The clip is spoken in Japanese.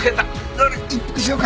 どれ一服しようか。